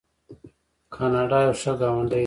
کاناډا یو ښه ګاونډی دی.